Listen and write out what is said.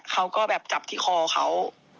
เขาก็แบบจับที่คอเขา